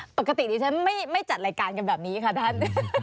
ปกติดิฉันไม่จัดรายการกันแบบนี้ค่ะท่าน